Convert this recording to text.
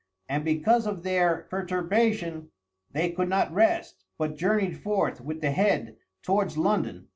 And because of their perturbation they could not rest, but journeyed forth with the head towards London.